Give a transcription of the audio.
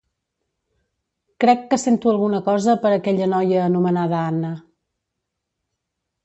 Crec que sento alguna cosa per aquella noia anomenada Anna.